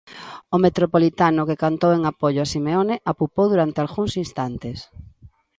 O Metropolitano, que cantou en apoio a Simeone, apupou durante algúns instantes.